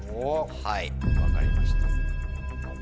はい分かりました。